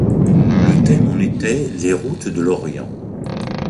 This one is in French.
Le thème en était les routes de l'Orient.